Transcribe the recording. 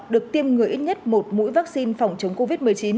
được tiêm người ít nhất một mũi vaccine phòng chống covid một mươi chín